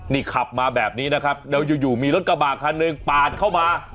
นี่ขับมาแบบนี้นะครับแล้วอยู่มีรถกระบะคันหนึ่งปาดเข้ามา